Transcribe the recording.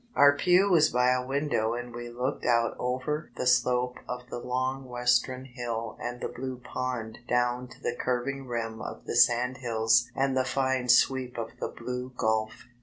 Our pew was by a window and we looked out over the slope of the long western hill and the blue pond down to the curving rim of the sandhills and the fine sweep of the blue Gulf.